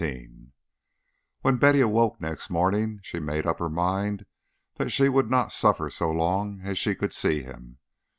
XIX When Betty awoke next morning, she made up her mind that she would not suffer so long as she could see him.